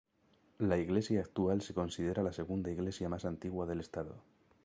La iglesia actual se considera la segunda iglesia más antigua del estado.